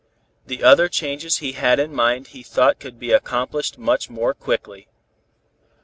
The other changes he had in mind he thought could be accomplished much more quickly.